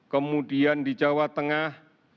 kemudian di jawa tengah